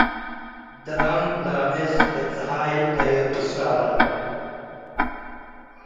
ደአም ለአምእስ እት ጸሓይ ለአየብሶ' ዐለ።